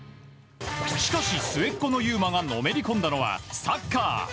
しかし末っ子の祐真がのめり込んだのは、サッカー。